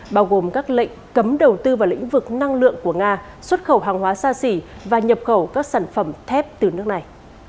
bao gồm các lệnh cấm đầu tư vào lĩnh vực năng lượng của nga xuất khẩu hàng hóa xa xỉ và nhập khẩu các sản phẩm thép từ nước này